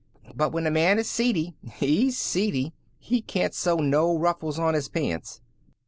But when a man is seedy, he's seedy. He can't sew no ruffles on his pants."